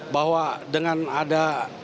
bahwa dengan ada